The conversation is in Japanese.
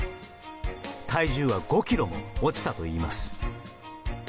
体重は５ｋｇも落ちたといいます。